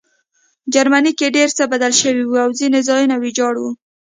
جرمني کې ډېر څه بدل شوي وو او ځینې ځایونه ویجاړ وو